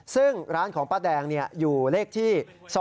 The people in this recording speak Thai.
ซึ่งร้านของป้าแดงอยู่เลขที่๒๕๖